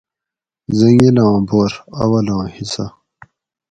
زنگلاں بور (اولاں حصّہ)